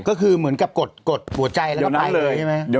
ก็คือเหมือนกับกดหัวใจแล้วก็ไปเลยใช่ไหม